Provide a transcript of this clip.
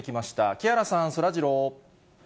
木原さん、そらジロー。